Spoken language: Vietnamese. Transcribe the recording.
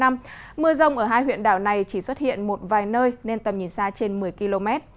mưa rông ở hai huyện đảo này chỉ xuất hiện một vài nơi nên tầm nhìn xa trên một mươi km